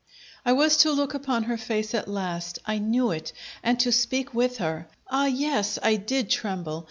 I was to look upon her face at last I knew it and to speak with her. Ah, yes, I did tremble!